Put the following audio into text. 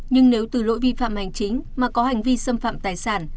nhưng nếu từ lỗi vi phạm hành chính mà có hành vi xâm phạm tài sản